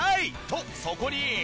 とそこに。